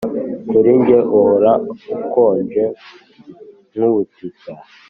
Kuri njye uhora ukonje nkubutita